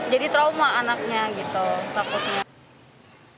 jadi trauma anaknya gitu takutnya